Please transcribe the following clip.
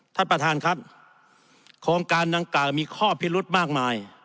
ท่านประธานครับโครงการดังกล่าวมีข้อพิรุธมากมาย